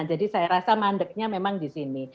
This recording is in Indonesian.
jadi saya rasa mandeknya memang di sini